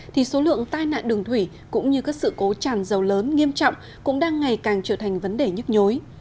thì số lượng tai nạn đường thủy cũng như các sự cố tràn dầu lớn nghiêm trọng cũng đang ngày càng trở thành vấn đề nhức nhối